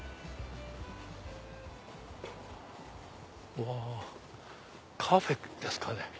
うわカフェですかね。